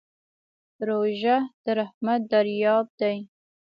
روژه د رحمت دریاب دی.